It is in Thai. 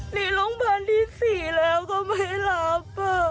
หนีโรงพยาบาลที่๔แล้วก็ไม่รับ